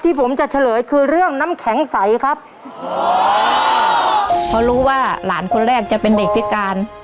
ผมจะเฉลยคือเรื่องน้ำแข็งใสครับเพราะรู้ว่าหลานคนแรกจะเป็นเด็กพิการ